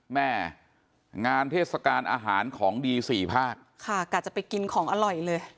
แม่งานเทศกาลอาหารของดีสี่ภาคค่ะกะจะไปกินของอร่อยเลย